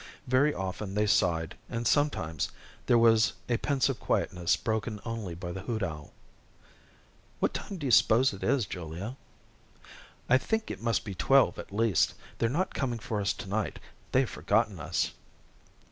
Very often they sighed, and sometimes there was a pensive quietness broken only by the hoot owl. "What time do you s'pose it is, Julia?" "I think it must be twelve at least. They're not coming for us to night. They've forgotten us."